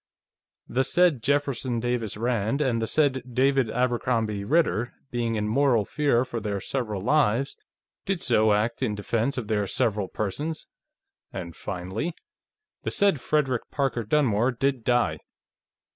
the said Jefferson Davis Rand and the said David Abercrombie Ritter, being in mortal fear for their several lives, did so act in defense of their several persons..." and, finally, "... the said Frederick Parker Dunmore did die."